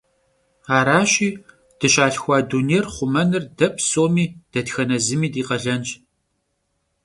Araşi, dışalhxua dunêyr xhumenır de psomi, detxene zımi di khalenş.